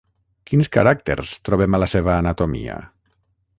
Quins caràcters trobem a la seva anatomia?